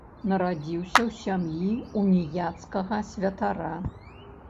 Нарадзіўся ў сям'і уніяцкага святара.